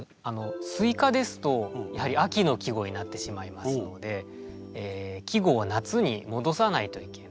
「スイカ」ですとやはり秋の季語になってしまいますので季語は夏に戻さないといけない。